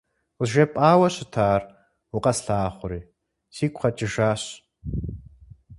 КъызжепӀауэ щытар, укъэслъагъури, сигу къэкӀыжащ.